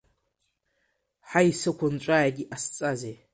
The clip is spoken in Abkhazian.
Ҳаи, сықәынҵәааит иҟасҵазеи.